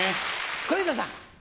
小遊三さん。